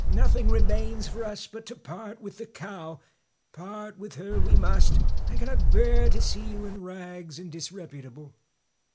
Nothing re mains for us but to part with the cow. Part with her we must, I cannot bear to see you in rags and disreputable.'